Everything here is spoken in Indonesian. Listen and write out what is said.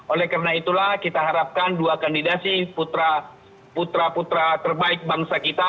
oleh karena itulah kita harapkan dua kandidasi putra putra terbaik bangsa kita